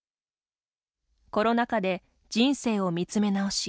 コロナ禍で人生を見つめ直し